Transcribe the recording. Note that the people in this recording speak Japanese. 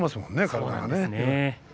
体がね。